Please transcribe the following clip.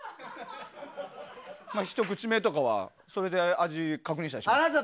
ひと口目とかはそれで味を確認したりしますか。